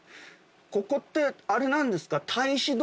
ここってあれなんですか？